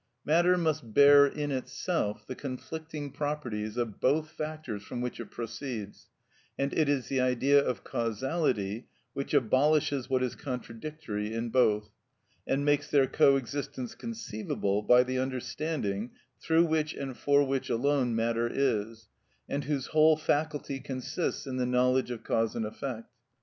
Matter must bear in itself the conflicting properties of both factors from which it proceeds, and it is the idea of causality which abolishes what is contradictory in both, and makes their co existence conceivable by the understanding, through which and for which alone matter is, and whose whole faculty consists in the knowledge of cause and effect.